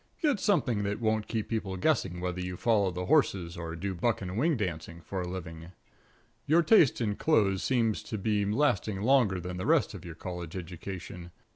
Get something that won't keep people guessing whether you follow the horses or do buck and wing dancing for a living. Your taste in clothes seems to be lasting longer than the rest of your college education.